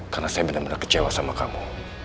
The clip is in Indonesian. karena saya benar benar kecewa sama kamu